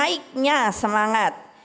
tapi juga untuk mencari semangat